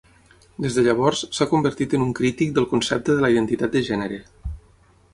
Des de llavors s'ha convertit en un crític del concepte de la Identitat de gènere.